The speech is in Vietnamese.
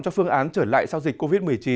cho phương án trở lại sau dịch covid một mươi chín